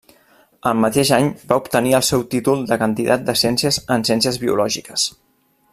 El mateix any va obtenir el seu títol de candidat de ciències en Ciències Biològiques.